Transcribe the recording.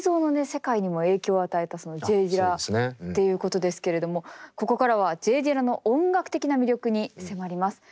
世界にも影響を与えたＪ・ディラっていうことですけれどもここからはＪ・ディラの音楽的な魅力に迫ります。